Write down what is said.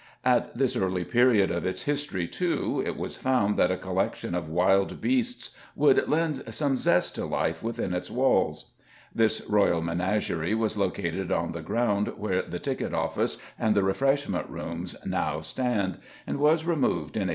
At this early period of its history, too, it was found that a collection of wild beasts would lend some zest to life within its walls. This royal menagerie was located on the ground where the ticket office and refreshment rooms now stand, and was removed in 1834.